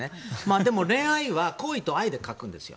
でも恋愛は恋と愛って書くんですよ。